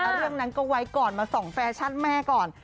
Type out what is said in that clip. เรื่องนั้นก็ไว้ก่อนมาส่องแฟชั่นแม่ก่อน